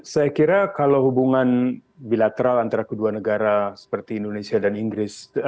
saya kira kalau hubungan bilateral antara kedua negara seperti indonesia dan inggris